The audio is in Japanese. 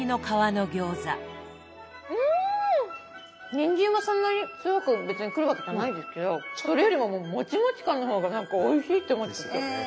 にんじんがそんなに強く別にくるわけじゃないですけどそれよりももうもちもち感の方が何かおいしいって思っちゃった。